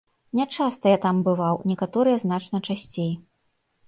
Не часта я там бываў, некаторыя значна часцей.